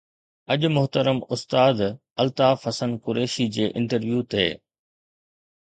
اڄ محترم استاد الطاف حسن قريشي جي انٽرويو تي